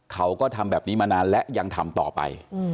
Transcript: เขาก็ทำแบบนี้มานานและยังทำต่อไป